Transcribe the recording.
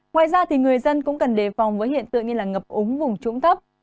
ngoài ra người dân cũng cần đề phòng với hiện tượng như ngập úng vùng trũng thấp